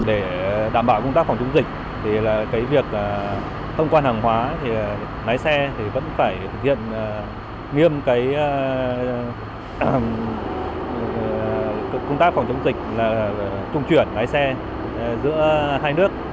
để đảm bảo công tác phòng chống dịch thì là cái việc thông quan hàng hóa thì lái xe vẫn phải thực hiện nghiêm công tác phòng chống dịch là trung chuyển lái xe giữa hai nước